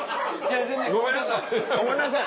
ごめんなさい！